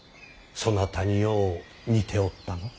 そなたによう似ておったが。